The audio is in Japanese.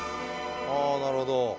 あなるほど。